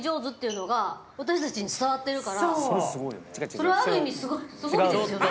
それはある意味すごいですよね